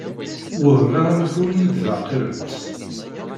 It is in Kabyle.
Wehmeɣ amek ur yi-d-teɛqilemt.